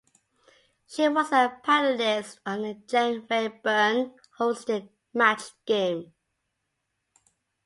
She was a panelist on the Gene Rayburn-hosted "Match Game".